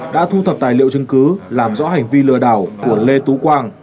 đã thu thập tài liệu chứng cứ làm rõ hành vi lừa đảo của lê tú quang